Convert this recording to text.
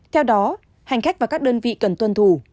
theo đó hành khách và các đơn vị cần tuân thủ